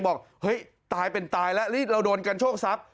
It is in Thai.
บอกเฮ้ยตายเป็นตายแล้วรีดเราโดนกันโชคทรัพย์